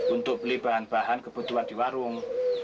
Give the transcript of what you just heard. untuk beli bahan bahan kebutuhan di warung